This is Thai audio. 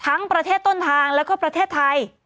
ประเทศต้นทางแล้วก็ประเทศไทย